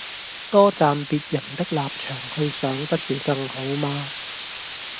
多站別人的立場去想不是更好嗎？